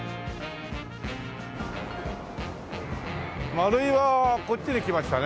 マルイはこっちに来ましたね。